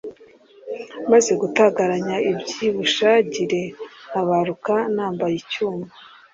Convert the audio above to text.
maze gutagaranya iby'i bushagire, ntabaruka nambaye icyuma